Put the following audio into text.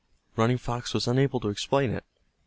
Running Fox was unable to explain it.